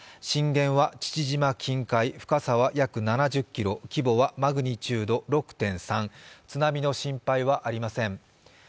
震源は父島近海深さは約７０ｋｍ規模はマグニチュード６．３、津波の心配はありません。